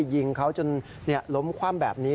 ยิงเขาจนล้มคว่ำแบบนี้